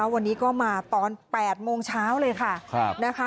วันนี้ก็มาตอน๘โมงเช้าเลยค่ะ